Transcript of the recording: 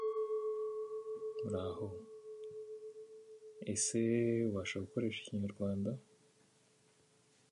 The couple were later eliminated from the competition, landing in eighth place.